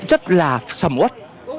rất là sầm út